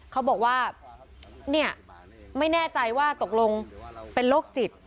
เขาบอกว่าเนี่ยไม่แน่ใจว่าตกลงเป็นโรคจิต